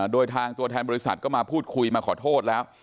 โดยทางตัวแทนบริษัทก็มาพูดคุยมาขอโทษแล้ว